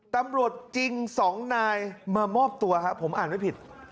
ตำรวจจริง๒นายมามอบตัวครับผมอ่านไม่ผิด